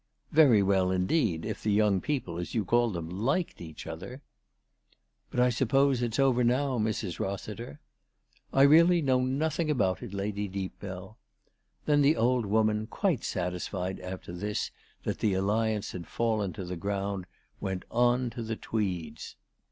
" Very well indeed, if the young people, as you call them, liked each other." " But I suppose it's over now, Mrs. Rossiter ?"" I really know nothing about it, Lady Deepbell." Then the old woman, quite satisfied after this that the " alliance " had fallen to the ground, went on to the Tweeds.'